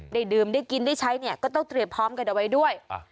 ดื่มได้กินได้ใช้เนี่ยก็ต้องเตรียมพร้อมกันเอาไว้ด้วย